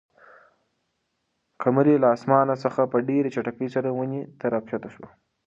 قمرۍ له اسمانه څخه په ډېرې چټکۍ سره ونې ته راښکته شوه.